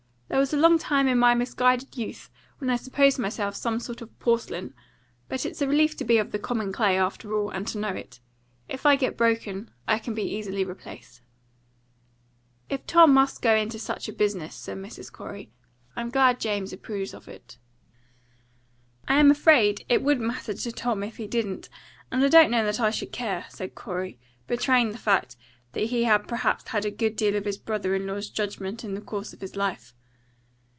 There was a long time in my misguided youth when I supposed myself some sort of porcelain; but it's a relief to be of the common clay, after all, and to know it. If I get broken, I can be easily replaced." "If Tom must go into such a business," said Mrs. Corey, "I'm glad James approves of it." "I'm afraid it wouldn't matter to Tom if he didn't; and I don't know that I should care," said Corey, betraying the fact that he had perhaps had a good deal of his brother in law's judgment in the course of his life.